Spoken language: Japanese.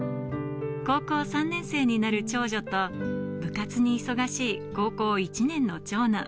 高校３年生になる長女と部活に忙しい高校１年の長男。